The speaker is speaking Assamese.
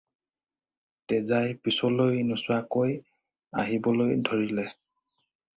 তেজাই পিছলৈ নোচোৱাকৈ আহিবলৈ ধৰিলে।